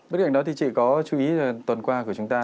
bức ảnh đó thì chị có chú ý tuần qua của chúng ta